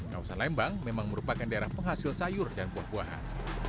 kawasan lembang memang merupakan daerah penghasil sayur dan buah buahan